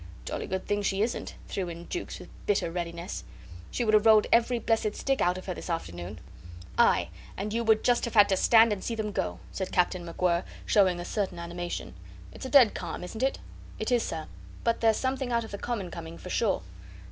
"Jolly good thing she isn't," threw in Jukes, with bitter readiness. "She would have rolled every blessed stick out of her this afternoon." "Aye! And you just would have had to stand and see them go," said Captain MacWhirr, showing a certain animation. "It's a dead calm, isn't it?" "It is, sir. But there's something out of the common coming, for sure."